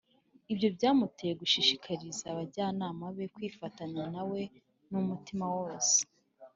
ibyo byamuteye gushishikariza abajyanama be kwifatanya nawe n’umutima wose